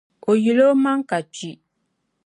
o yil’ omaŋ’ ka kpi.